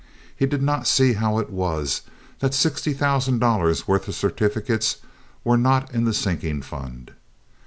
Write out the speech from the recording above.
He did not see how it was that the sixty thousand dollars' worth of certificates were not in the sinking fund.